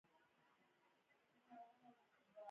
د هغه کور یوازې څو وران دېوالونه درلودل